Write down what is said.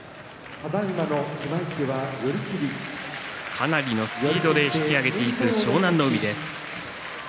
かなりのスピードで引き揚げていく湘南乃海です。